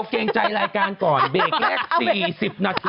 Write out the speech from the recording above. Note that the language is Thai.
ก็ไปการก่อนเบรกแรก๔๐นาที